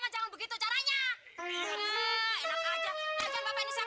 astagfirullah ini gue